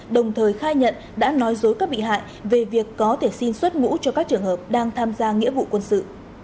đồng thời khai nhận đã nói dối các bị hại về việc có thể xin xuất ngũ cho các trường hợp đang tham gia nghĩa vụ quân sự